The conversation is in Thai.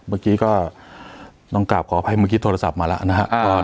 เมื่อกี้ก็ต้องกลับขออภัยเมื่อกี้โทรศัพท์มาแล้วนะครับ